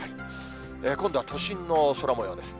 今度は都心の空もようです。